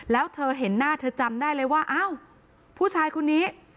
แล้วเธอเห็นหน้าเธอจำได้เลยว่าอ้าวผู้ชายคนนี้